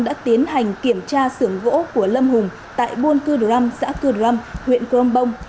đã tiến hành kiểm tra xưởng gỗ của lâm hùng tại buôn cư ram xã cư ram huyện crong bong